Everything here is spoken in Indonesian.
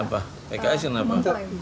apa pks kenapa